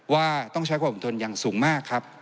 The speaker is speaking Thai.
ว่าต้องใช้ความอดทนอย่างสูงมากครับ